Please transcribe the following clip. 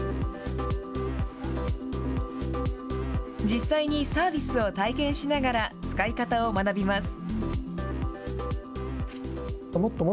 実際にサービスを体験しながら、使い方を学びます。